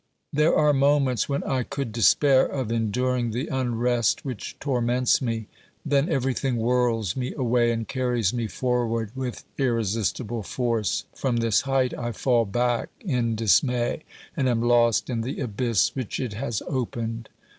There are moments when I could despair of enduring the unrest which torments me. Then everything whirls me away, and carries me forward with irresistible force ; from this height I fall back m dismay, and am lost in the abyss which it has opened.